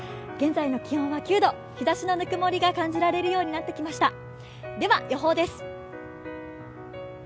現在の気温は９度、日ざしのぬくもりが感じられるようになってきました。